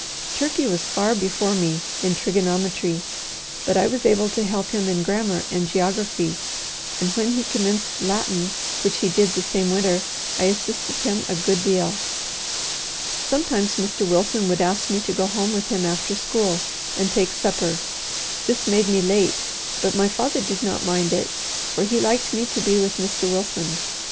Turkey was far before me in trigonometry, but I was able to help him in grammar and geography, and when he commenced Latin, which he did the same winter, I assisted him a good deal. Sometimes Mr. Wilson would ask me to go home with him after school, and take supper. This made me late, but my father did not mind it, for he liked me to be with Mr. Wilson.